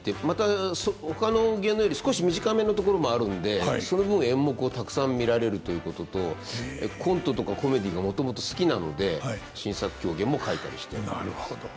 またほかの芸能より少し短めのところもあるんでその分演目をたくさん見られるということとコントとかコメディーがもともと好きなので新作狂言も書いたりしてます。